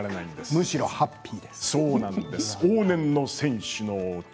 むしろハッピーです。